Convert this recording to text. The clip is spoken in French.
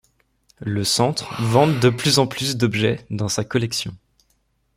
Le Centre vante de plus de objets dans sa collection.